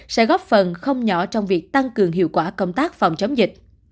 sẽ góp phần không nhỏ trong việc tăng cường hiệu quả công tác phòng chống dịch